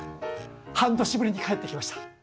半年ぶりに帰ってきました。